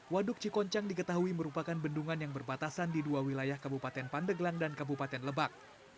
waduk cikoncang diketahui merupakan bendungan yang berbatasan di dua wilayah kabupaten pandeglang dan kabupaten lebak